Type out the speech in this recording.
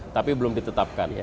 tapi belum ditetapkan ya